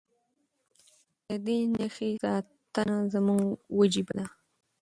د دې نښې ساتنه زموږ وجیبه ده.